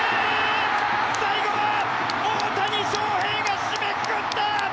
最後は大谷翔平が締めくくった！